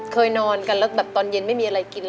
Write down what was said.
เคยนอนกันแล้วแบบตอนเย็นไม่มีอะไรกินเลย